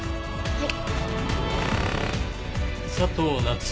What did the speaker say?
はい。